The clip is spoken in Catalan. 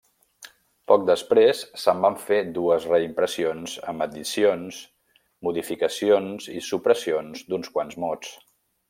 Poc després se'n van fer dues reimpressions amb addicions, modificacions i supressions d'uns quants mots.